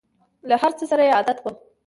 له هر څه سره یې عادت وم !